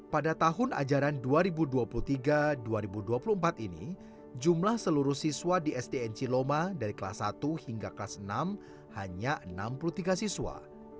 pada tahun ajaran dua ribu dua puluh tiga dua ribu dua puluh empat ini jumlah seluruh siswa di sdn ciloma dari kelas satu hingga kelas enam hanya enam puluh tiga siswa